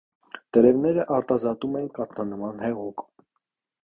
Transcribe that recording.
Տերևները արտազատում են կաթնանման հեղուկ։